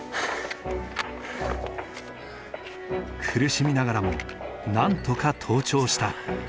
苦しみながらもなんとか登頂した。